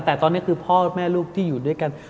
แต่ตอนนี้คือพ่อแม่ลูกที่อยู่ด้วยกัน